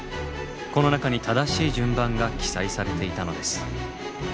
この中に正しい順番が記載されていたのです。